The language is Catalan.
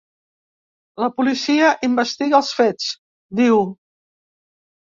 La policia investiga els fets, diu.